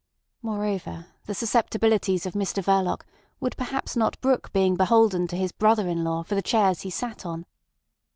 Moreover, the susceptibilities of Mr Verloc would perhaps not brook being beholden to his brother in law for the chairs he sat on.